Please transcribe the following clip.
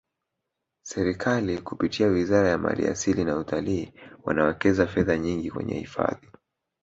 serikali kupitia wizara ya mali asili na utalii wanawekeza fedha nyingi kwenye hifadhi